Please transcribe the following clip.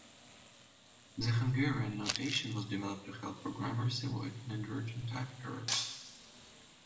The Hungarian notation was developed to help programmers avoid inadvertent type errors.